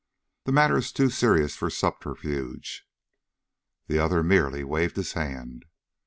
The matter is too serious for subterfuge." The other merely waved his hand.